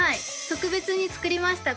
特別に作りました